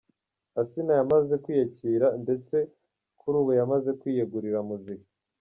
Asinah yamaze kwiyakira ndetse kuri ubu yamaze kwiyegurira muzika.